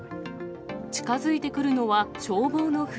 近づいてくるのは消防の船。